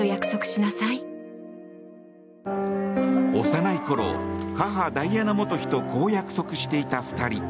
幼いころ、母ダイアナ元妃とこう約束していた２人。